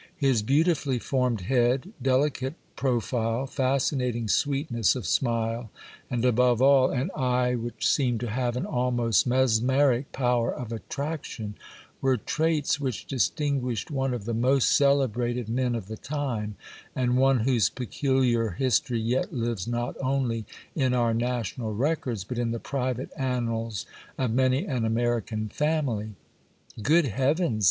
His beautifully formed head, delicate profile, fascinating sweetness of smile, and, above all, an eye which seemed to have an almost mesmeric power of attraction, were traits which distinguished one of the most celebrated men of the time, and one whose peculiar history yet lives not only in our national records, but in the private annals of many an American family. 'Good Heavens!